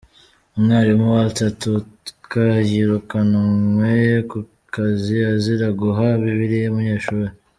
Umwalimu, Walter Tutka yirukanwe ku kazi azira guha bibiliya umunyeshuli.